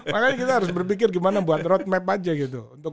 makanya kita harus berpikir gimana buat roadmap aja gitu